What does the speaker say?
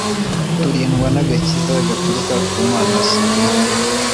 turindwa na Agakiza gaturuka ku Mana si kuri twe.